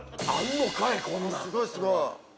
すごいすごい。